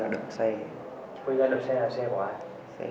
hành vi đậu xe là xe của ai